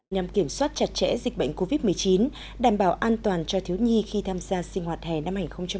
nhằm kiểm soát chặt chẽ dịch bệnh covid một mươi chín đảm bảo an toàn cho thiếu nhi khi tham gia sinh hoạt hè năm hai nghìn hai mươi